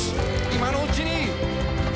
今のうちに」